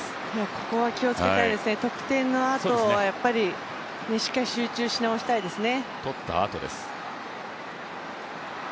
ここは気をつけたいですね、得点のあとはしっかり集中し直したいですね。